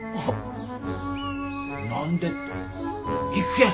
何でって行くけん。